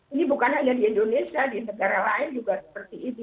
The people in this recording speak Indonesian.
ini bukan hanya di indonesia di negara lain juga seperti ini